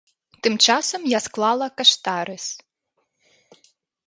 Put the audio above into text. Тым часам я склала каштарыс.